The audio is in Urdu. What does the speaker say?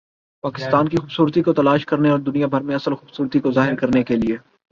پاکستان کی خوبصورتی کو تلاش کرنے اور دنیا بھر میں اصل خوبصورتی کو ظاہر کرنے کے لئے